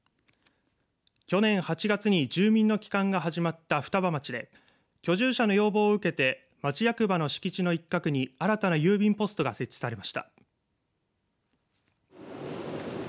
去年８月に住民の帰還が始まった双葉町で居住者の要望を受けて町役場の敷地の一角に新たな郵便ポストが設置されました。